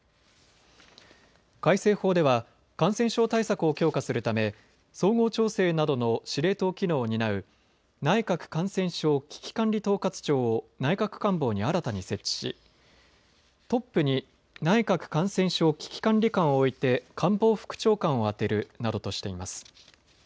改正法では感染症対策を強化するため総合調整などの司令塔機能を担う内閣感染症危機管理統括庁を内閣官房に新たに設置しトップに内閣感染症危機管理監を置いて官房副長官を充てるなどとしています。